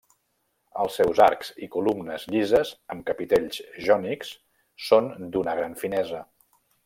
Els seus arcs i columnes llises amb capitells jònics són d'una gran finesa.